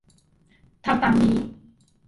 ทำตามนี้